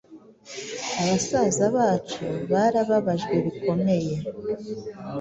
Abasaza bacu barababajwe bikomeye